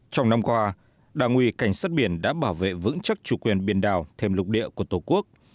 trong năm qua đảng ủy cảnh sát biển đã bảo vệ vững chắc chủ quyền biển đảo thêm lục địa của tổ quốc